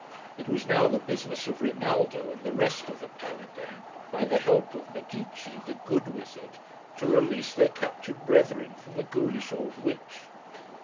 It was now the business of Rinaldo and the rest of the Paladins, by the help of Magicce the good wizard, to release their captured brethren from the ghoulish old witch.